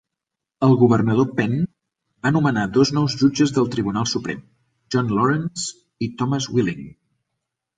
El governador Penn va nomenar dos nous jutges del Tribunal Suprem, John Lawrence i Thomas Willing.